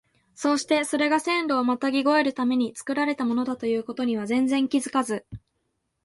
そうしてそれが線路をまたぎ越えるために造られたものだという事には全然気づかず、